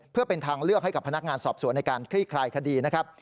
เพื่อเป็นทางเลือกให้กับพนักงานสอบสวนในการคลี่คลายคดีนะครับ